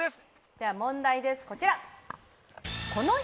では問題ですこちら。